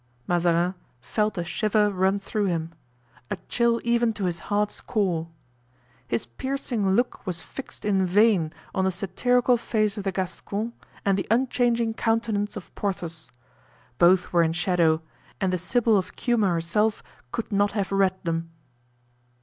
Mazarin felt a shiver run through him—a chill even to his heart's core. His piercing look was fixed in vain on the satirical face of the Gascon and the unchanging countenance of Porthos. Both were in shadow and the Sybil of Cuma herself could not have read them.